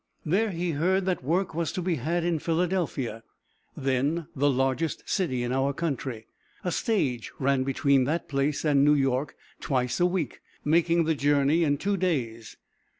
There he heard that work was to be had in Philadelphia, then the largest city in our country. A stage ran between that place and New York twice a week, making the journey in two days.